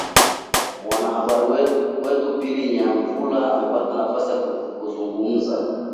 Mwanahabari wetu Pili Nyamvula amepata nafasi ya kuzungumza